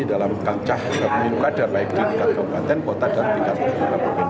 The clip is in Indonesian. dalam kaca pemilu kadar baik di kawasan kota dan tingkat kebanyakan